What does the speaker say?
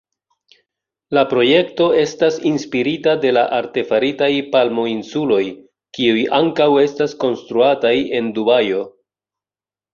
La projekto estas inspirita de la artefaritaj Palmo-insuloj, kiuj ankaŭ estas konstruataj en Dubajo.